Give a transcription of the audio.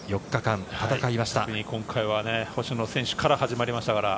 特に今回は星野選手から始まりました。